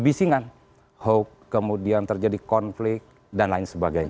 bisingan hoax kemudian terjadi konflik dan lain sebagainya